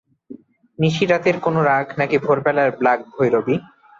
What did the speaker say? নিশিরাতের কোনো রাগ, নাকি ভোরবেলার ব্লাগ ভৈরবী?